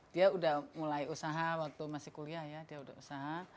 dia udah mulai usaha waktu masih kuliah ya dia udah usaha